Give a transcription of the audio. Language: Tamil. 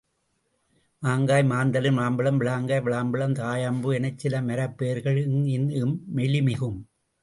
மாங்காய், மாந்தளிர், மாம்பழம், விளாங்காய், விளாம்பழம், காயாம்பூ எனச் சில மரப்பெயர்களில் ங், ந், ம் மெலி மிகும்.